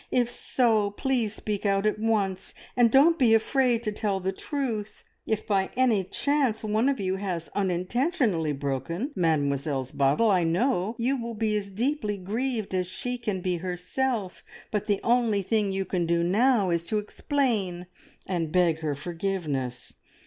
If so, please speak out at once, and don't be afraid to tell the truth. If by any chance one of you has unintentionally broken Mademoiselle's bottle, I know you will be as deeply grieved as she can be herself; but the only thing you can do now is to explain, and beg her forgiveness.